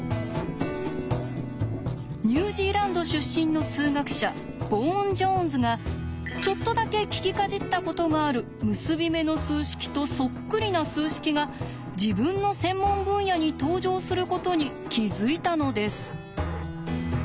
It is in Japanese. ニュージーランド出身の数学者ヴォーン・ジョーンズがちょっとだけ聞きかじったことがある結び目の数式とそっくりな数式が自分の専門分野に登場することに気付いたのです。